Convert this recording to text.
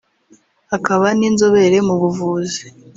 akaba n’inzobere mu buvuzi